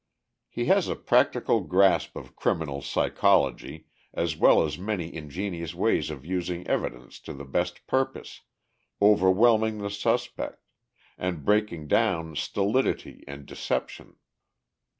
He has a practical grasp of criminal psychology, as well as many ingenious ways of using evidence to the best purpose, overwhelming the suspect, and breaking down stolidity and deception.